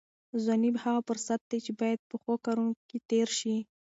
ځواني هغه فرصت دی چې باید په ښو کارونو کې تېر شي.